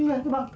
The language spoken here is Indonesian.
ih ya sebang